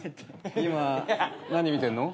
今何見てんの？